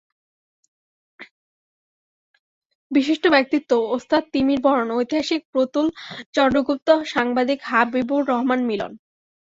বিশিষ্ট ব্যক্তিত্ব—ওস্তাদ তিমির বরণ, ঐতিহাসিক প্রতুল চন্দ্রগুপ্ত, সাংবাদিক হাবিবুর রহমান মিলন।